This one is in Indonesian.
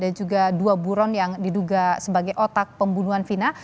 dan juga dua buron yang diduga sebagai otak pembunuhan vina